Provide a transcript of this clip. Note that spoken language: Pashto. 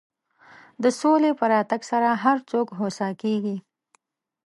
د سولې په راتګ سره هر څوک هوسا کېږي.